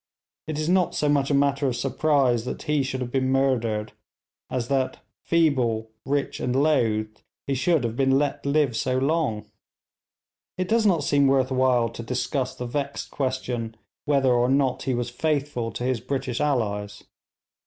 It is not so much a matter of surprise that he should have been murdered as that, feeble, rich, and loathed, he should have been let live so long. It does not seem worth while to discuss the vexed question whether or not he was faithful to his British allies.